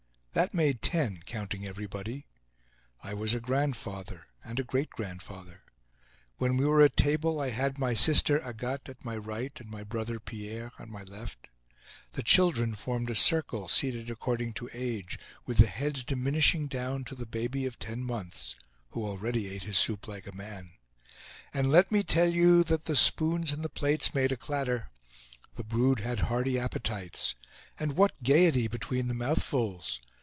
That made ten, counting everybody. I was a grandfather and a great grandfather. When we were at table I had my sister, Agathe, at my right, and my brother, Pierre, at my left. The children formed a circle, seated according to age, with the heads diminishing down to the baby of ten months, who already ate his soup like a man. And let me tell you that the spoons in the plates made a clatter. The brood had hearty appetites. And what gayety between the mouthfuls!